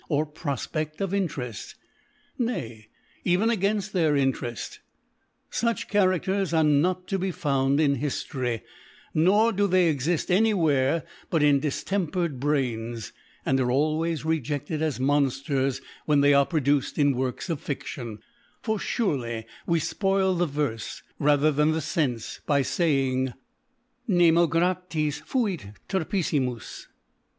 Of Profpeft of Intereft, nay even a gainft their Intereft. Such Charadters are not to be found in fliftory, nor do they exift any where but in diftempered Brains, and are always rejected as Monfters, when they are produced in Works of Fiftion : for furely we fpoil the Verfc rather than the Senfc by faying, Nemo gratis /«// Turpiji I 6 tttU4. ( i8o ) mus.